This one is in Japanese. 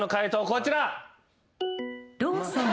こちら。